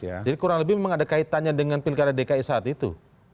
jadi kurang lebih memang ada kaitannya dengan pilkada dki saat itu